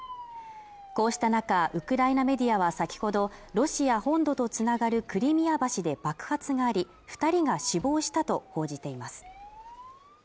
こうした中、ウクライナメディアは先ほど、ロシア本土と繋がるクリミア橋で爆発があり、２人が死亡したと報じています。